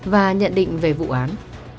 và nhận định về vụ án